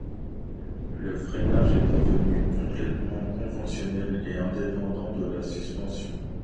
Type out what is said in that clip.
Le freinage est devenu complètement conventionnel et indépendant de la suspension.